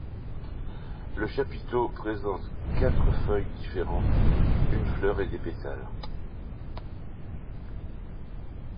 Le chapiteau présente quatre feuilles différente, une fleur et des pétales.